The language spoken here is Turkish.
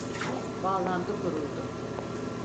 Bağlantı kuruldu.